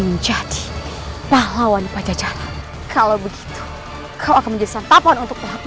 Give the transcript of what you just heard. menjadi pahlawan pajajara kalau begitu kau akan menyesal takut untuk pelaku